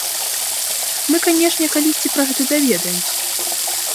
Мы, канешне, калісьці пра гэта даведаемся.